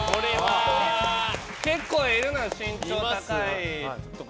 結構いるのよ、身長高いとか。